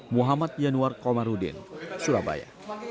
muhammad yanuar komarudin surabaya